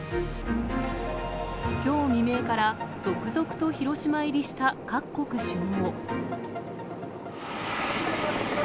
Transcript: きょう未明から、続々と広島入りした各国首脳。